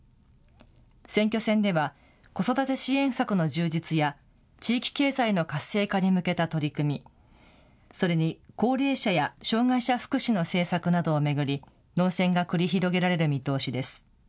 選挙戦では子育て支援策の充実や地域経済の活性化に向けた取り組み、それに高齢者や障害者福祉の政策などを巡り論戦が繰り広げられる見通しです。